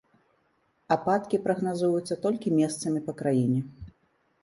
Ападкі прагназуюцца толькі месцамі па краіне.